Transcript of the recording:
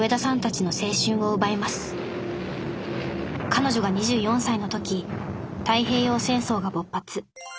彼女が２４歳の時太平洋戦争が勃発。